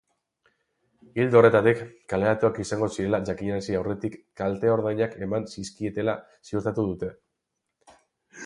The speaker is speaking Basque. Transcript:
Ildo horretatik, kaleratuak izango zirela jakinarazi aurretik kalte-ordainak eman zizkietela ziurtatu dute.